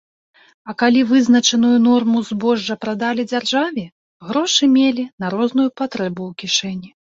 А калі вызначаную норму збожжа прадалі дзяржаве, грошы мелі на розную патрэбу ў кішэні.